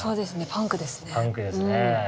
パンクですね。